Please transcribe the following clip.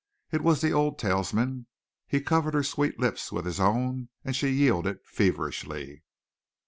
It was the old talisman. He covered her sweet lips with his own and she yielded feverishly.